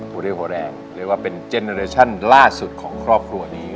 เรียกว่าแรงเรียกว่าเป็นเจนเรชั่นล่าสุดของครอบครัวนี้